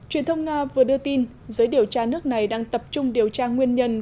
truyền thông nga vừa đưa tin giới điều tra nước này đang tập trung điều tra nguyên nhân